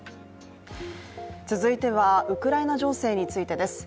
続いてはウクライナ情勢についてです。